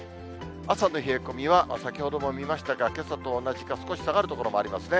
朝の冷え込みは、先ほども見ましたが、けさと同じか、少し下がる所もありますね。